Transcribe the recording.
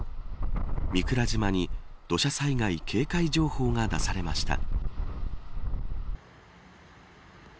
御蔵島に土砂災害警戒情報が出されました。